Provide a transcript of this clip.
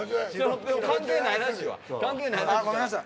関係ないらしいわ。